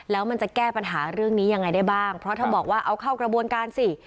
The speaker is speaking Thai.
แล้วมันจะแก้ปัญหาเรื่องนี้ยังไงได้บ้างเพราะถ้าบอกว่าเอาเข้ากระบวนการสิ